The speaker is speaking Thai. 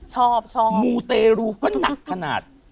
ชอบชอบมูเตรูก็หนักขนาด